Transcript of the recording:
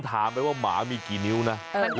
ถามไปว่าหมามีกี่นิ้วนะ